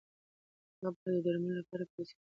هغه باید د درملو لپاره هم پیسې پیدا کړې وای.